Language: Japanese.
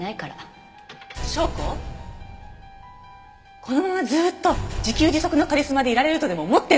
このままずっと自給自足のカリスマでいられるとでも思ってるの？